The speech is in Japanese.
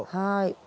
はい。